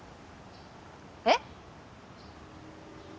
えっ？